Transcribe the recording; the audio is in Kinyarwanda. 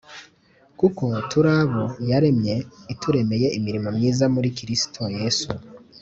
kuko turabo yaremye ituremeye imirimo myiza muri Kristo Yesu,